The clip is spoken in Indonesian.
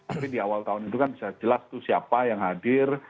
tapi di awal tahun itu kan bisa jelas tuh siapa yang hadir